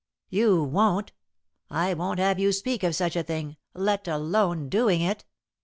"You won't. I won't have you speak of such a thing, let alone doing it."